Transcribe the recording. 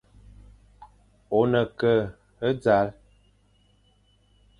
Ô ne ke e zal,